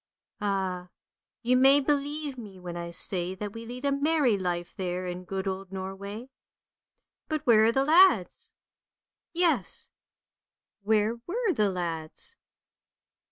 Ah, you may believe me when I say that we load a merry life there in good old Norway. But where are the lads? " Yes. where were the lads?